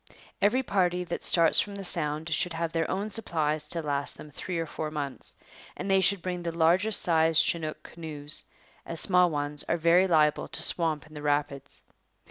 Every party that starts from the Sound should have their own supplies to last them three or four months, and they should bring the largest size chinook canoes, as small ones are very liable to swamp in the rapids.